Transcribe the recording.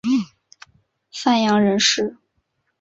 范阳人氏。